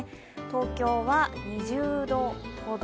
東京は２０度ほど。